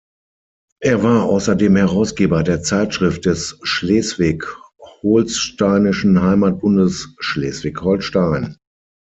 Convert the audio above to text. Er war außerdem Herausgeber der Zeitschrift des Schleswig-Holsteinischen Heimatbundes, "Schleswig-Holstein".